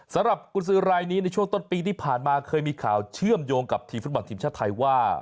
สำหรับกุญสือรายนี้ในช่วงต้นปีที่ผ่านมาเคยมีข่าวเชื่อมโยงกับทีมฟุตบอลทีมชาติไทยว่า